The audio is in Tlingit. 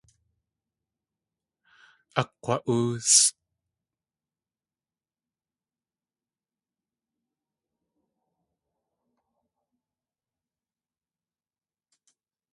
Akg̲wa.óosʼ.